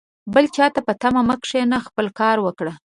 بل چاته په تمه مه کښېنه ، خپله کار وکړه